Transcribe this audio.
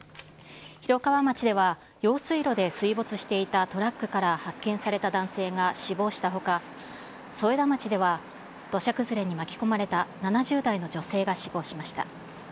広川町では、用水路で水没していたトラックから発見された男性が死亡したほか、添田町では土砂崩れに巻き込まれた７０代の女性が死亡しました。